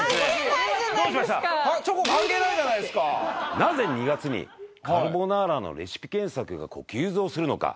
なぜ２月にカルボナーラのレシピ検索が急増するのか。